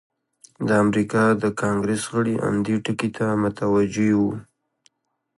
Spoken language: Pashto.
د امریکا د کانګریس غړي هم دې ټکي ته متوجه وو.